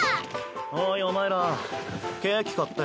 おいお前らケーキ買って。